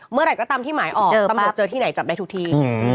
เมื่อไหร่ก็ตามที่หมายออกตำรวจเจอที่ไหนจับได้ทุกที่